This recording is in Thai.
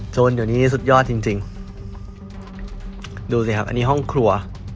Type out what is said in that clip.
จนเดี๋ยวนี้สุดยอดจริงจริงดูสิครับอันนี้ห้องครัว